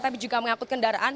tapi juga mengangkut kendaraan